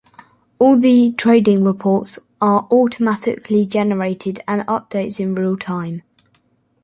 All the trading reports are automatically generated and updates in real-time.